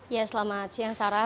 ya selamat siang sarah